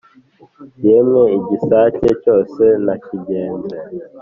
yemwe i gisaka cyose nakigenze